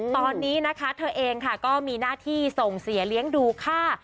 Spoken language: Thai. ตอนนี้นะคะเธอเองค่ะก็มีหน้าที่ส่งเสียเลี้ยงดูค่า